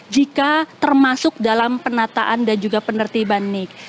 jika termasuk dalam penataan dan juga penertiban nik